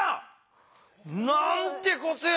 なんてことや！